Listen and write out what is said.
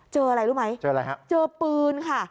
เจออะไรรู้ไหมเจอปืนค่ะ